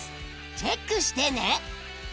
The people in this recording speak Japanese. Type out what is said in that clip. チェックしてね。